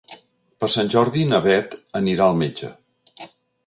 Per Sant Jordi na Beth anirà al metge.